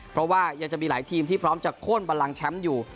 เพราะว่ายังจะมีหลายทีมที่พร้อมจะโค้นบันลังแชมป์อยู่